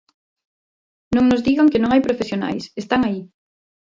Non nos digan que non hai profesionais, ¡están aí!